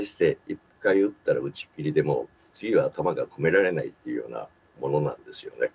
一回撃ったら撃ちっきりで、次は弾が込められないっていうようなものなんですよね。